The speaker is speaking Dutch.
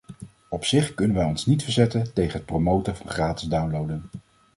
Op zich kunnen wij ons niet verzetten tegen het promoten van gratis downloaden.